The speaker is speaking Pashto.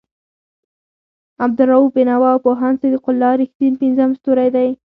عبالرؤف بېنوا او پوهاند صدیق الله رښتین پنځم ستوری دی.